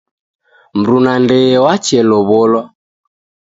Mruna ndee wachelow'olwa.